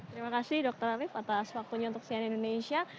terima kasih dokter arief atas waktunya untuk sian indonesia